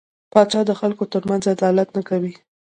پاچا د خلکو ترمنځ عدالت نه کوي .